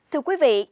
thưa quý vị